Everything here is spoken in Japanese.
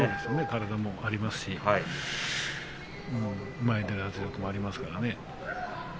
体もありますし前に出る圧力もありますからね。